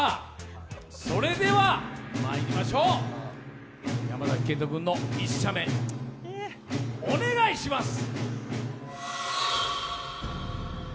それではまいりましょう山崎賢人君の１射目、お願いします。